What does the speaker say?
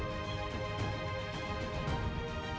melihat pertahuan terakhir